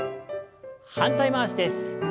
反対回しです。